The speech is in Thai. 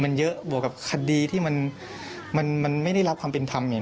มันเยอะบวกกับคดีที่มันไม่ได้รับความเป็นธรรมเนี่ย